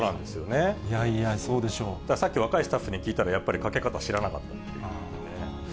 いやいや、さっき、若いスタッフに聞いたら、やっぱりかけ方知らなかったですね。